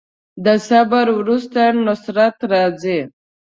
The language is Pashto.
د صبر وروسته نصرت راځي.